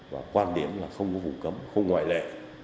và quan điểm là không có vùng cấm không ngoại lệ